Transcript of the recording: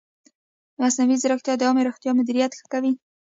مصنوعي ځیرکتیا د عامې روغتیا مدیریت ښه کوي.